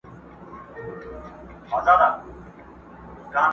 ما به لیده چي زولنې دي ماتولې اشنا!.